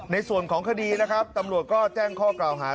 ในส่วนของคดีนะครับตำรวจก็แจ้งข้อกล่าวหา